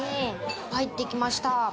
入ってきました。